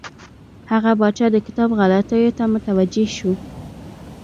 هغه پاچا د کتاب غلطیو ته متوجه شو.